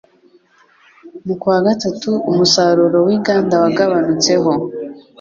Mu kwa gatatu umusaruro w'inganda wagabanutseho